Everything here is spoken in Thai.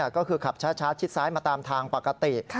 ก็คือขับช้าชิดซ้ายมาตามทางปกติ